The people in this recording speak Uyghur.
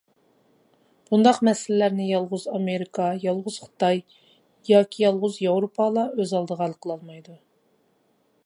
بۇنداق مەسىلىلەرنى يالغۇز ئامېرىكا، يالغۇز خىتاي، ياكى يالغۇز ياۋروپالا ئۆز ئالدىغا ھەل قىلالمايدۇ.